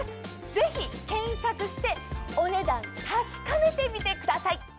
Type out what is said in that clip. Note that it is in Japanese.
ぜひ検索してお値段確かめてみてください。